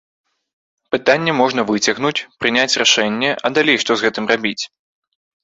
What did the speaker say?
Пытанне можна выцягнуць, прыняць рашэнне, а далей што з гэтым рабіць?